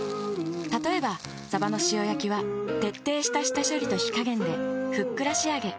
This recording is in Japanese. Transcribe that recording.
例えばさばの塩焼きは徹底した下処理と火加減でふっくら仕上げ。